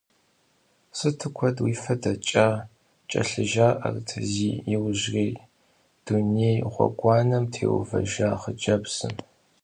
Сыту куэд уи фэ дэкӏа! — кӏэлъыжаӏэрт, зи иужьрей дуней гъуэгуанэм теувэжа хъыджэбзым.